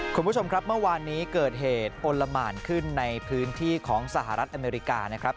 คุณผู้ชมครับเมื่อวานนี้เกิดเหตุอลละหมานขึ้นในพื้นที่ของสหรัฐอเมริกานะครับ